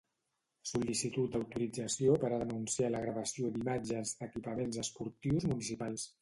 Sol·licitud d'autorització per a denunciar la gravació d'imatges d'equipaments esportius municipals.